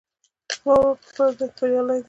زما ورور په خپله دنده کې بریالی ده